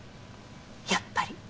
やっぱり。